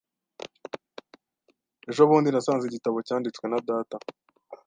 Ejo bundi nasanze igitabo cyanditswe na data.